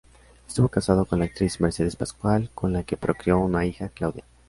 Estuvo casado con la actriz Mercedes Pascual, con la que procreó una hija, Claudia.